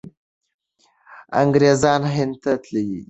انګریزان هند ته تللي دي.